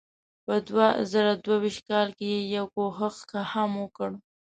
په دوه زره دوه ویشت کال کې یې یو کوښښ هم وکړ.